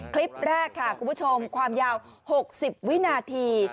คลิปแรกค่ะคุณผู้ชมความยาว๖๐วินาที